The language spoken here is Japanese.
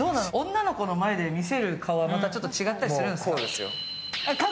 女の子の前で見せる顔はちょっと違ったりするんですか？